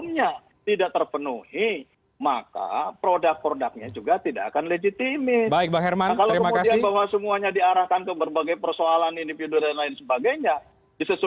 merebut elit elit kunci apakah itu kemudian menjadi fokus juga di kepala muldoko